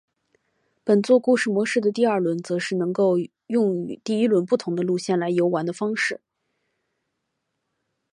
本作故事模式的第二轮则是能够用与第一轮不同的路线来游玩的方式。